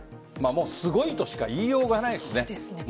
すごいとしか言いようがないですね。